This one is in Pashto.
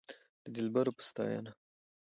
د دلبرو په ستاينه